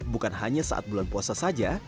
bukan hanya saat bulan puasa saja